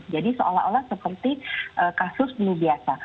jadi seolah olah seperti kasus biasa